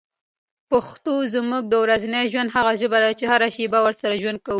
پښتو زموږ د ورځني ژوند هغه ژبه ده چي هره شېبه ورسره ژوند کوو.